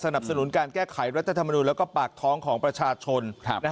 สนุนการแก้ไขรัฐธรรมนูลแล้วก็ปากท้องของประชาชน